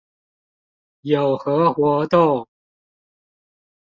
有何活動